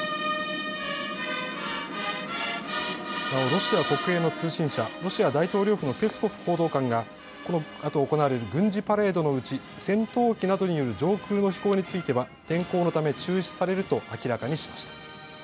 ロシア国営の通信社、ロシア大統領府のペスコフ報道官がこのあと行われる軍事パレードのうち戦闘機などによる上空の飛行については天候のため中止されると明らかにしました。